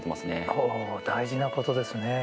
ほう大事なことですね。